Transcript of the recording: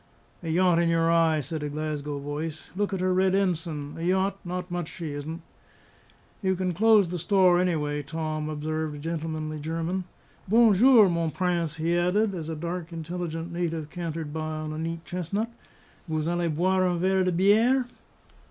"A yacht in your eye!" said a Glasgow voice. "Look at her red ensign! A yacht! not much she isn't!" "You can close the store, anyway, Tom," observed a gentlemanly German. "Bon jour, mon Prince!" he added, as a dark, intelligent native cantered by on a neat chestnut. "Vous allez boire un verre de biere?"